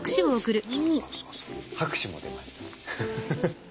拍手も出ました。